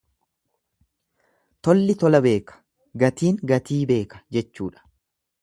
Tolli tola beeka, gatiin gatii beeka jechuudha.